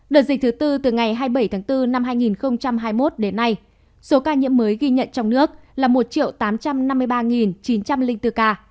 đợt dịch thứ tư từ ngày hai mươi bảy tháng bốn năm hai nghìn hai mươi một đến nay số ca nhiễm mới ghi nhận trong nước là một tám trăm năm mươi ba chín trăm linh bốn ca